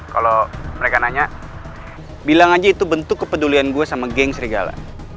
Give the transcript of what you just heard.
kalau mereka nanya bilang aja itu bentuk kepedulian gue sama geng serigala